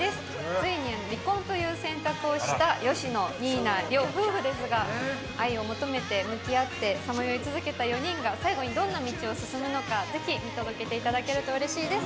ついに離婚という選択をした吉野、新名両夫婦ですが愛を求めてさまよい続けた４人が最後にどんな道に進むのかぜひ見届けていただけるとうれしいです。